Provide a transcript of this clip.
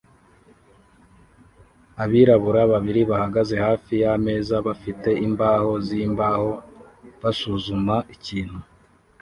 Abirabura babiri bahagaze hafi yameza bafite imbaho zimbaho basuzuma ikintu